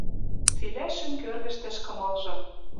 Цилӓ шӱм кӧргӹштӹш кымылжым